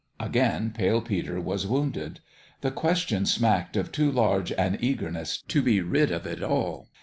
Again Pale Peter was wounded. The question smacked of too large an eagerness to be rid of it all.